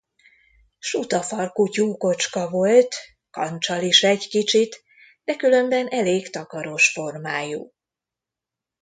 Suta farkú tyúkocska volt, kancsal is egy kicsit, de különben elég takaros formájú.